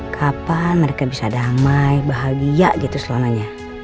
kapan mereka bisa damai bahagia gitu selamanya